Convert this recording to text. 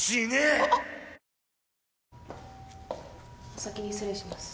お先に失礼します。